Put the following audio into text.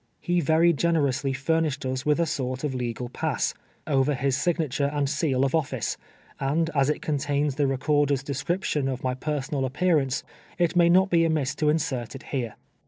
lie verj generously furnished us with a sort of legal pass, over his signature and seal of office, and as it contains the recorder's description of my personal appearance, it may not be amiss to in sert it here.